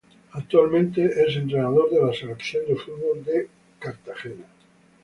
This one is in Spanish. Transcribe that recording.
Actualmente es entrenador de la Selección de Fútbol de Cartagena.